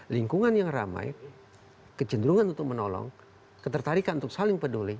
lingkungan yang ramai kecenderungan untuk menolong ketertarikan untuk saling peduli